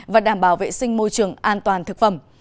và đảm bảo vệ sinh môi trường an toàn thực phẩm